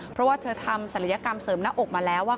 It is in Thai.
เพราะว่าเธอทำศัลยกรรมเสริมหน้าอกมาแล้ว